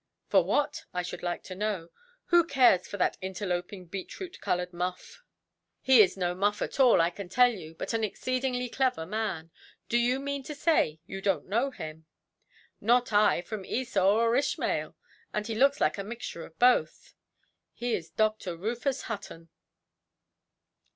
"For what, I should like to know? Who cares for that interloping, beetroot–coloured muff"? "He is no muff at all, I can tell you, but an exceedingly clever man. Do you mean to say you donʼt know him"? "Not I, from Esau or Ishmael. And he looks like a mixture of both". "He is Doctor Rufus Hutton".